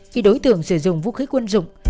khi đối tượng sử dụng vũ khí quân dụng